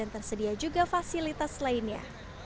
tersedia juga fasilitas lainnya